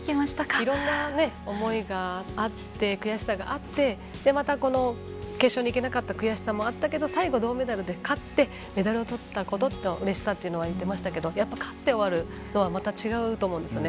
いろんな思いがあって悔しさがあってまた、決勝にいけなかった悔しさもあったけど最後、銅メダルで勝ってメダルをとったことのうれしさっていうことを言ってましたけど勝って終わるっていうのはまた違うと思うんですよね。